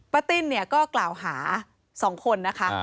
ป้าติ้นก็กล่าวหา๒คน